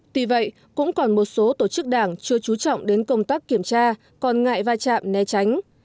tuy vậy cũng còn một số tổ chức đảng chưa trú trọng đến công tác kiểm tra còn ngại va chạm né tránh